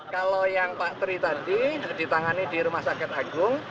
kalau yang pak tri tadi ditangani di rumah sakit agung